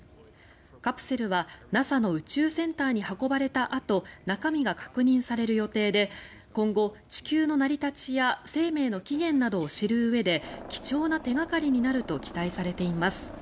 カプセルはＮＡＳＡの宇宙センターに運ばれたあと中身が確認される予定で今後、地球の成り立ちや生命の起源などを知るうえで貴重な手掛かりになると期待されています。